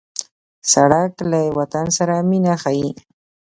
سړک له وطن سره مینه ښيي.